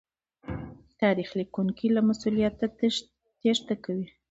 تاريخ ليکونکي له مسوليته تېښته کوي.